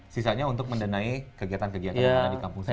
sisanya untuk mendanai kegiatan kegiatan yang ada di kampung saya